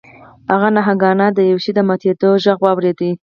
هغه ناگهانه د یو شي د ماتیدو غږ واورید.